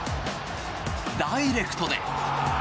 ダイレクトで。